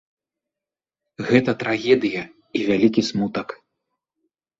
Гэта трагедыя і вялікі смутак.